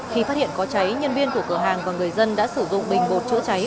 khi phát hiện có cháy nhân viên của cửa hàng và người dân đã sử dụng bình bột chữa cháy